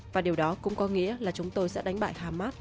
và điều đó cũng có nghĩa là chúng tôi sẽ đánh bại hamas kể cả ở rafah